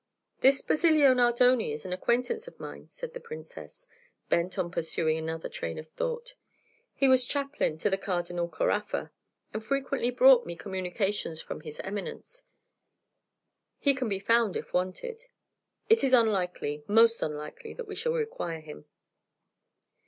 "This Basilio Nardoni is an acquaintance of mine," said the Princess, bent on pursuing another train of thought; "he was chaplain to the Cardinal Caraffa, and frequently brought me communications from his Eminence. He can be found, if wanted." "It is unlikely most unlikely that we shall require him."